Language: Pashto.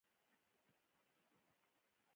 د هغې ورځې په سبا یې له زندان نه ایستل.